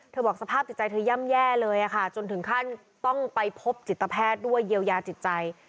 บอกสภาพจิตใจเธอย่ำแย่เลยค่ะจนถึงขั้นต้องไปพบจิตแพทย์ด้วยเยียวยาจิตใจ